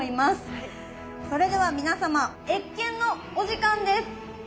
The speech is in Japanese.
それでは皆様謁見のお時間です。